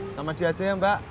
sama dia aja ya mbak